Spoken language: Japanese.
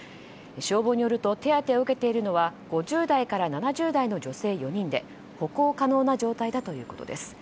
消防によると手当てを受けているのは５０代から７０代の女性４人で歩行可能な状態だということです。